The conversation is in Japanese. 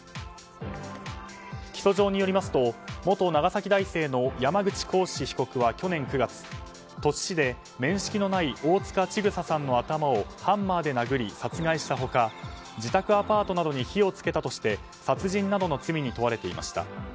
起訴状によりますと元長崎大生の山口鴻志被告は去年９月鳥栖市で面識のない大塚千種さんの頭をハンマーで殴り殺害した他自宅アパートなどに火を付けたとして殺人などの罪に問われていました。